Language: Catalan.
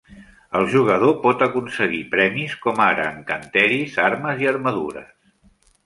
El jugador pot aconseguir premis com ara encanteris, armes i armadures.